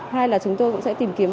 hai là chúng tôi cũng sẽ tìm kiếm